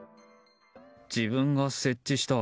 自分が設置した。